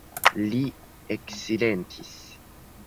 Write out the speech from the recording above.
Li eksilentis.